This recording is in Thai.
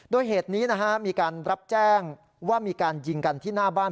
โดยเหตุนี้นะฮะมีการรับแจ้งว่ามีการยิงกันที่หน้าบ้าน